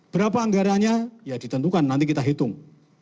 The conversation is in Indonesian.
berapa anggaranya ya ditentukan nanti kita hitung